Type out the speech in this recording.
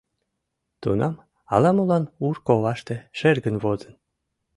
Тунам ала-молан ур коваште шергын возын.